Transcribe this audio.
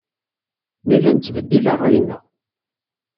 Nella nettbeddil ṛṛay-nneɣ.